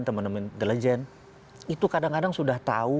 teman teman intelijen itu kadang kadang sudah tahu